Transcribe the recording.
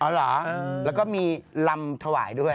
เหรอแล้วก็มีลำถวายด้วย